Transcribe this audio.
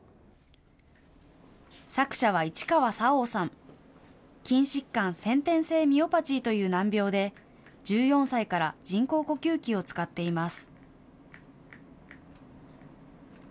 作者は市川沙央さん、筋疾患先天性ミオパチーという難病で、１４歳から人工呼吸器を使っています。